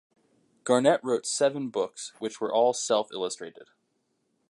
Garnett wrote seven books which were all self-illustrated.